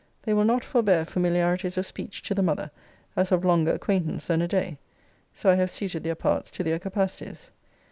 They will not forbear familiarities of speech to the mother, as of longer acquaintance than a day. So I have suited their parts to their capacities.